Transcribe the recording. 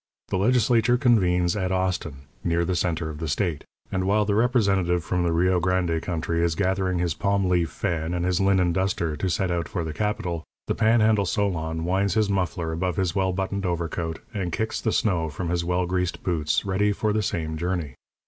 The legislature convenes at Austin, near the centre of the state; and, while the representative from the Rio Grande country is gathering his palm leaf fan and his linen duster to set out for the capital, the Pan handle solon winds his muffler above his well buttoned overcoat and kicks the snow from his well greased boots ready for the same journey.